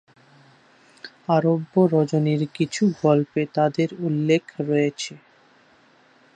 আরব্য রজনীর কিছু গল্পে তাদের উল্লেখ রয়েছে।